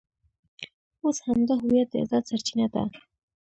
اوس همدا هویت د عزت سرچینه ده.